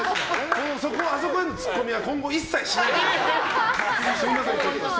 あそこへのツッコミは今後一切しないでください。